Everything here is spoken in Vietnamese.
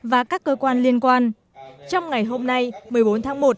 và các cơ quan liên quan trong ngày hôm nay một mươi bốn tháng một